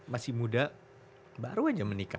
masih muda baru aja menikah